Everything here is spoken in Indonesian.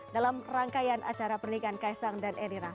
dalam rangkaian acara pernikahan kaesang dan erina